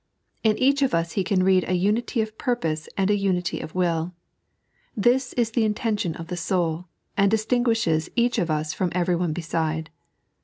In each of us He can read a unity of purpose and a unity of will. This is the inten tion of the soul, and distinguishes each of us from every one beside.